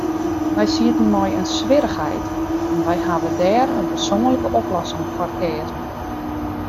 Wy sieten mei in swierrichheid, en wy hawwe dêr in persoanlike oplossing foar keazen.